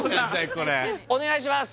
これお願いします